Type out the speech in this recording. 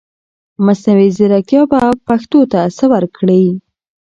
مصنوعي ځرکتيا به پښتو ته سه ورکړٸ